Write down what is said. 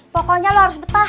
pokoknya lo harus betah